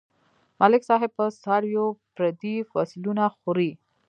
ملک صاحب په څارويو پردي فصلونه خوري.